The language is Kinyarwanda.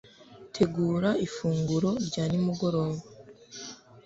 tegura ifunguro rya nimugoroba